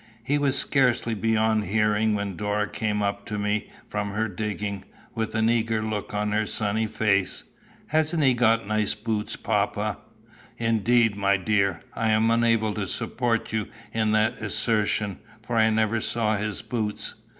He was scarcely beyond hearing, when Dora came up to me from her digging, with an eager look on her sunny face. "Hasn't he got nice boots, papa?" "Indeed, my dear, I am unable to support you in that assertion, for I never saw his boots."